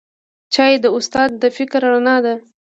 چای د استاد د فکر رڼا ده